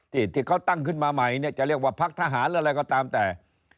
ที่เขาตั้งขึ้นมาใหม่เนี่ยจะเรียกว่าพักทหารหรืออะไรก็ตามแต่